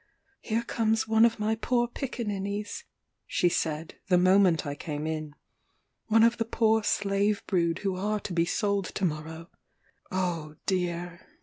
"Here comes one of my poor picaninnies!" she said, the moment I came in, "one of the poor slave brood who are to be sold to morrow." Oh dear!